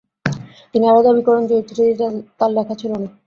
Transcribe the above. তিনি আরও দাবি করেন যে ওই চিঠিটি তার লেখা ছিল না।